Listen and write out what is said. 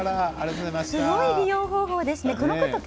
すごい利用方法ですね。